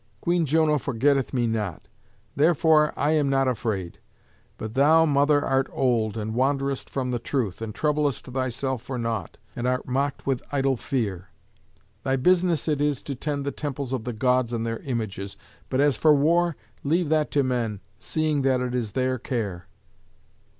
Queen Juno forgetteth me not, therefore I am not afraid; but thou, mother, art old, and wanderest from the truth, and troublest thyself for nought, and art mocked with idle fear. Thy business it is to tend the temples of the Gods and their images, but as for war, leave that to men, seeing that it is their care."